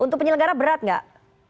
untuk penyelenggara berat tidak